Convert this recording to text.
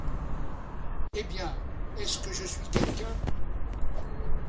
Eh bien, est-ce que je suis quelqu'un?